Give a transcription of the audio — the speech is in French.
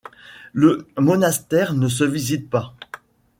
Le monastère ne se visite pas.